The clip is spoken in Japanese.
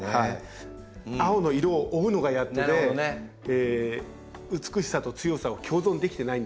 青の色を追うのがやっとで美しさと強さを共存できてないんですけど。